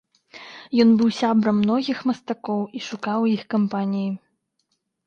Ён быў сябрам многіх мастакоў і шукаў іх кампаніі.